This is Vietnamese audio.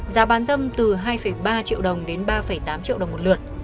giá bán dâm từ hai ba triệu đồng đến ba tám triệu đồng một lượt